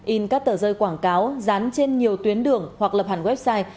in các tờ rơi quảng cáo dán trên nhiều tuyến đường hoặc lập hẳn website